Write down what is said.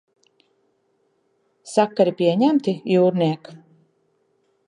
Sakari pieņemti, jūrniek?